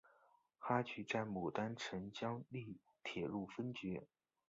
哈局在牡丹江成立铁路分局。